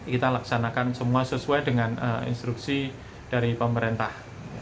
kita laksanakan semua sesuai dengan instruksi dari pemerintah